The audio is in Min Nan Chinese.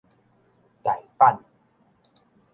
大阪